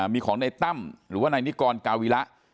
มีของในตั้มหรือว่านายนิกรกาวิระ